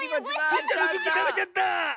スイちゃんのクッキーたべちゃった！